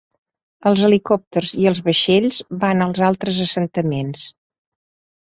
Els helicòpters i els vaixells van als altres assentaments.